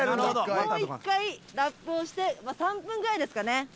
もう一回ラップをして３分ぐらいですかね。